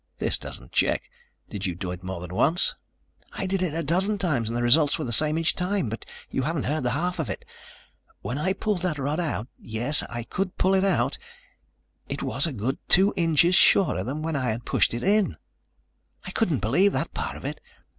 "This doesn't check. Did you do it more than once?" "I did it a dozen times and the results were the same each time. But you haven't heard the half of it. When I pulled that rod out yes, I could pull it out it was a good two inches shorter than when I had pushed it in. I couldn't believe that part of it.